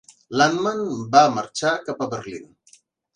Landmann va marxar cap a Berlín.